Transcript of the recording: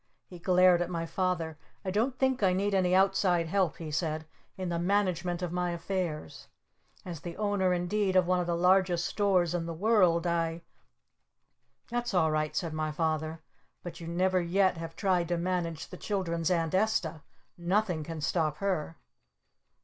He glared at my Father. "I don't think I need any outside help," he said, "in the management of my affairs. As the Owner indeed of one of the largest stores in the world I " "That's all right," said my Father. "But you never yet have tried to manage the children's Aunt Esta. Nothing can stop her!"